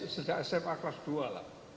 sejak sma kelas dua lah